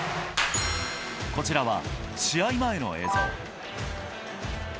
こちらは試合前の映像。